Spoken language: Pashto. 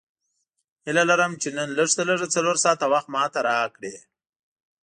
هیله لرم چې نن لږ تر لږه څلور ساعته وخت ماته راکړې.